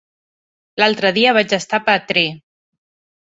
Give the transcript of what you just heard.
L'altre dia vaig estar a Petrer.